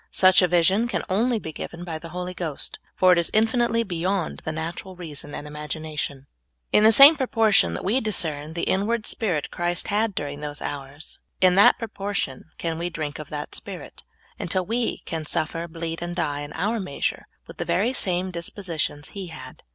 Such a vision can only be given by the Holy Ghost, for it is infinitely bej'ond the natural reason and imagination. In the same proportion that we discern the inward spirit Christ had during those hours, in that proportion can we drink of that spirit, until we can suffer, bleed, The spirit of crucifixion. 133 and die in our measure, with the very same dispositions He had.